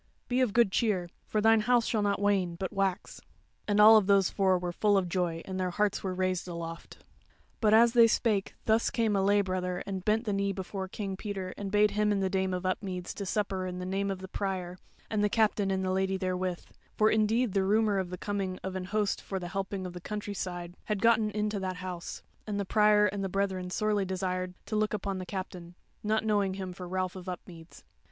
Be of good cheer; for thine house shall not wane, but wax." And all those four were full of joy and their hearts were raised aloft. But as they spake thus came a lay brother and bent the knee before King Peter and bade him and the Dame of Upmeads to supper in the name of the Prior, and the Captain and the Lady therewith; for indeed the rumour of the coming of an host for the helping of the countryside had gotten into that House, and the Prior and the brethern sorely desired to look upon the Captain, not knowing him for Ralph of Upmeads.